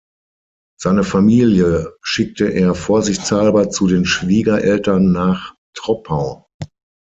Seine Familie schickte er vorsichtshalber zu den Schwiegereltern nach Troppau.